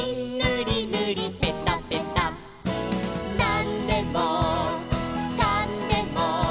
「なんでもーかんでも！」